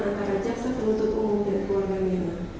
antara jaksa penuntut umum dan keluarga mirna